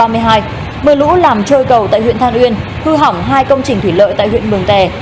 mưa lũ làm trôi cầu tại huyện than uyên hư hỏng hai công trình thủy lợi tại huyện mường tè